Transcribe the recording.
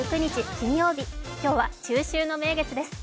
金曜日今日は中秋の名月です。